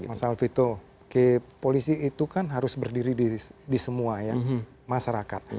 mas alvito polisi itu kan harus berdiri di semua ya masyarakat